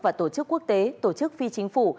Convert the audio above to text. và tổ chức quốc tế tổ chức phi chính phủ